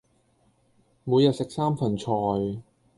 每日食三份菜